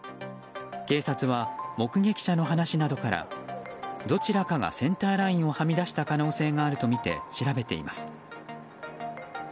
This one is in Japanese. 警察は、目撃者の話などからどちらかがセンターラインをはみ出した可能性があるとみて調べています。